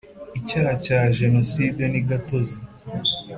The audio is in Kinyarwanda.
Icyaha cya genocide nigatozi